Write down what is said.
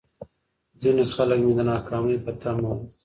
ځيني خلک مې د ناکامۍ په تمه وو.